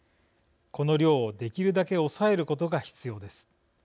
この量をできるだけ抑えることが必要です。